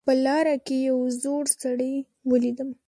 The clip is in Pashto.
په لاره کې یو زوړ سړی ولیدم